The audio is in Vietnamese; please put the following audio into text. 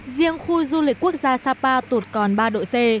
riêng khu du lịch quốc gia sapa tụt còn ba độ c